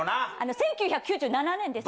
１９９７年です。